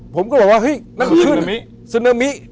ผมก็บอกว่านั่นคือซึเนอมิ